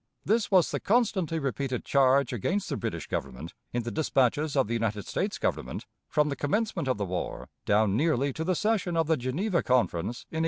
This was the constantly repeated charge against the British Government in the dispatches of the United States Government from the commencement of the war down nearly to the session of the Geneva Conference in 1872.